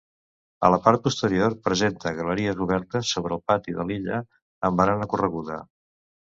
A la part posterior presenta galeries obertes sobre el pati de l'illa, amb barana correguda.